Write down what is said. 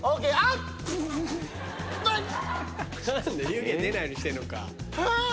湯気出ないようにしてんのか。